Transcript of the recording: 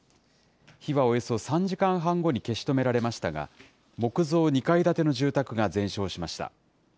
火はおよそ３時間半後に消し止められましたが、木造２階建ての住宅が全焼しました。